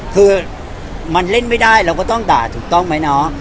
คือมันเล่นไม่ได้เราก็ต้องด่าถูกต้องไหมเนาะ